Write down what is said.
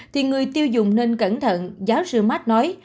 thì người tiêu dùng nên cẩn thận giáo sư mart nói